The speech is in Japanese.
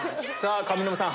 上沼さん